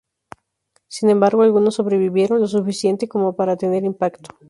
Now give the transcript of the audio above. Sin embargo, algunos sobrevivieron lo suficiente como para tener impacto.